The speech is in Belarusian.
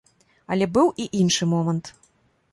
Але быў і іншы момант.